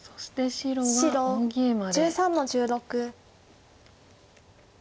白１３の十六。